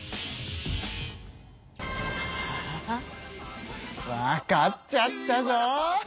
あわかっちゃったぞ！